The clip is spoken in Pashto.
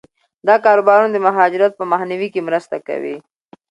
دا کاروبارونه د مهاجرت په مخنیوي کې مرسته کوي.